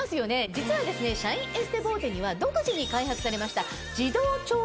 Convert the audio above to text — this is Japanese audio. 実はシャインエステボーテには独自に開発されました。